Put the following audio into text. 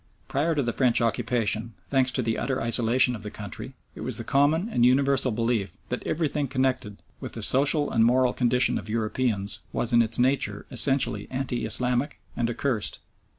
Prior to the French occupation, thanks to the utter isolation of the country, it was the common and universal belief that everything connected with the social and moral condition of Europeans was in its nature essentially anti Islamic and accursed.